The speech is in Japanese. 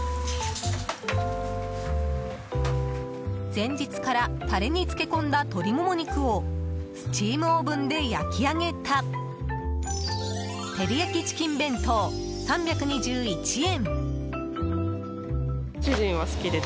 前日からタレに漬け込んだ鶏モモ肉をスチームオーブンで焼き上げた照り焼きチキン弁当、３２１円。